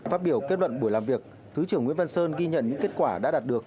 phát biểu kết luận buổi làm việc thứ trưởng nguyễn văn sơn ghi nhận những kết quả đã đạt được